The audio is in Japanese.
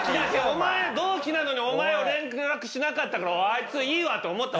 お前同期なのにお前俺に連絡しなかったから「あいついいわ！」って思ったわ